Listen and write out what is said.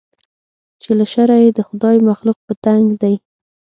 چې له شره یې د خدای مخلوق په تنګ دی